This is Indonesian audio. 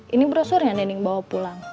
ini brosurnya nening bawa pulang